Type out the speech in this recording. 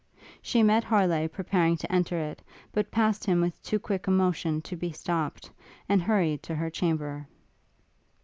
She met Harleigh preparing to enter it, but passed him with too quick a motion to be stopt, and hurried to her chamber.